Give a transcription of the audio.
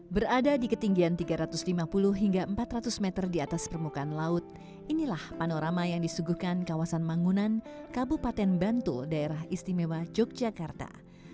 berada di ketinggian tiga ratus lima puluh hingga empat ratus meter di atas permukaan laut inilah panorama yang disuguhkan kawasan manggunan kabupaten bantul daerah istimewa yogyakarta